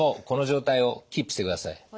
この状態をキープしてください。